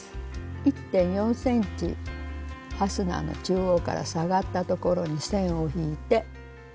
１．４ｃｍファスナーの中央から下がったところに線を引いて。